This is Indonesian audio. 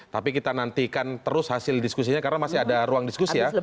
tapi kita nantikan terus hasil diskusinya karena masih ada ruang diskusi ya